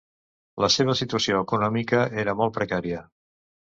La seva situació econòmica era molt precària.